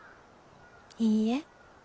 いいえ。